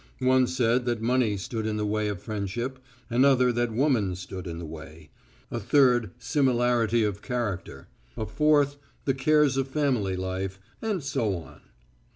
One said that money stood in the way of friendship; another that woman stood in the way; a third, similarity of character; a fourth, the cares of family life, and so on.